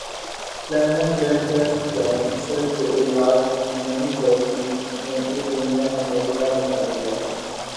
London web desk cancer کے علاج کی نئی تحقیق نے اس دنیا میں تہلکہ مچا دیا ہے